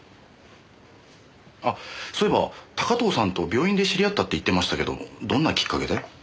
あっそういえば高塔さんと病院で知り合ったって言ってましたけどどんなきっかけで？